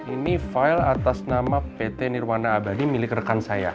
ini file atas nama pt nirwana abadi milik rekan saya